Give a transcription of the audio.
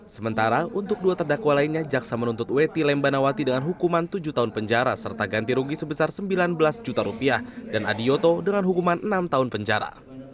sementara untuk dua terdakwa lainnya jaksa menuntut weti lembanawati dengan hukuman tujuh tahun penjara serta ganti rugi sebesar sembilan belas juta rupiah dan adioto dengan hukuman enam tahun penjara